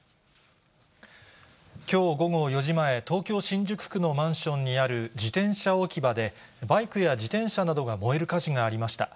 きょう午後４時前、東京・新宿区のマンションにある自転車置き場で、バイクや自転車などが燃える火事がありました。